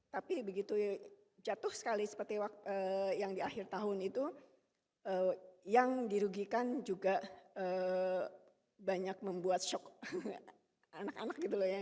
tapi begitu jatuh sekali seperti yang di akhir tahun itu yang dirugikan juga banyak membuat shock anak anak gitu loh ya